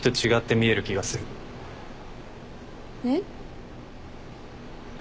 えっ？